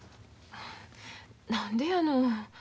何でやの。